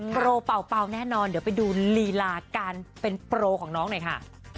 โปรเป่าแน่นอนเดี๋ยวไปดูลีลาการเป็นโปรของน้องหน่อยค่ะ